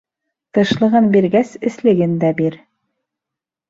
Тышлығын биргәс, эслеген дә бир.